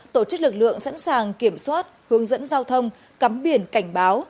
tổ chức lực lượng sẵn sàng kiểm soát hướng dẫn giao thông cắm biển cảnh báo